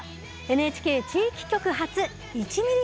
「ＮＨＫ地域局発１ミリ